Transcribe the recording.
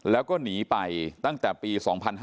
แล้วก็หนีไปตั้งแต่ปี๒๕๕๙